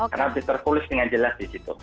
karena terkulis dengan jelas di situ